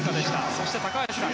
そして高橋さん